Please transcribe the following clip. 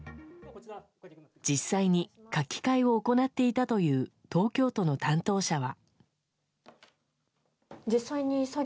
実際に書き換えを行っていたという東京都の担当者は。